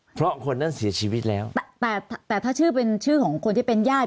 เพราะคนนั้นเสียชีวิตแล้วแต่แต่ถ้าชื่อเป็นชื่อของคนที่เป็นญาติ